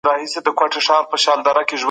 کله به نړیواله ټولنه محکمه تایید کړي؟